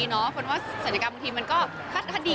ก็คุณบัญชาอน่ะก็เช็คข้อมูลให้ดี